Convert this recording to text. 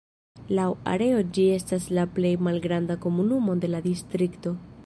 Laŭ areo ĝi estas la plej malgranda komunumo de la distrikto.